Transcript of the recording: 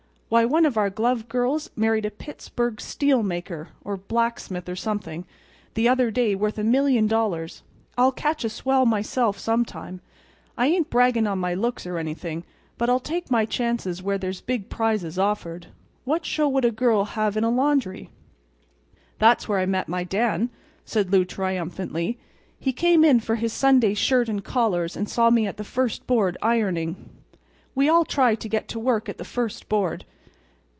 Why, one of our glove girls married a Pittsburg—steel maker, or blacksmith or something—the other day worth a million dollars. I'll catch a swell myself some time. I ain't bragging on my looks or anything; but I'll take my chances where there's big prizes offered. What show would a girl have in a laundry?" "Why, that's where I met Dan," said Lou, triumphantly. "He came in for his Sunday shirt and collars and saw me at the first board, ironing. We all try to get to work at the first board.